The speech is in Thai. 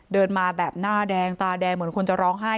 เดินมาแบบหน้าแดงตาแดงเหมือนคนจะร้องไห้